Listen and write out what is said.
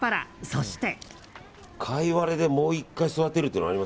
そして。